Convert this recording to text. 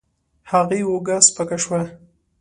هغې اوږه سپکه شوه.